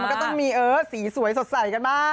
มันก็ต้องมีสีสวยสดใสกันบ้าง